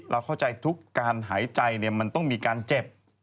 เข้าใจทุกการหายใจมันต้องมีการเจ็บ